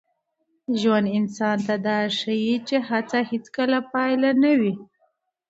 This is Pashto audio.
ژوند انسان ته دا ښيي چي هڅه هېڅکله بې پایلې نه وي.